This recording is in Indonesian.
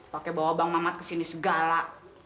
pakai bawa bang mamat kesini segala